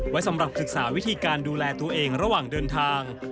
ไว้สำหรับศึกษาวิธีการดูแลตัวเองระหว่างเดินทาง